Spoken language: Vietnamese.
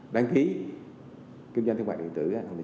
điển hành vụ pate minh chay là một ví dụ